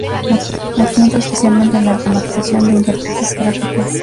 Aquí entra especialmente la automatización de interfaces gráficas.